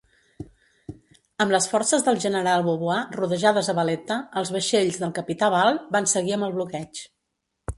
Amb les forces del general Vaubois rodejades a Valletta, els vaixells del capità Ball van seguir amb el bloqueig.